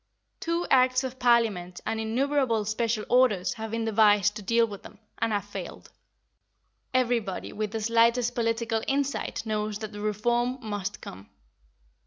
Two Acts of Parliament and innumerable special orders have been devised to deal with them, and have failed. Everybody with the slightest political insight knows that the reform must come.